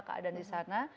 keadaan di sana